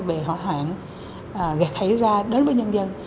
về hỏa hoạn gây thấy ra đến với nhân dân